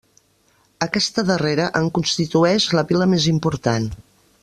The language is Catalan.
Aquesta darrera en constitueix la vila més important.